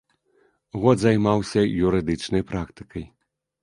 Год займаўся юрыдычнай практыкай.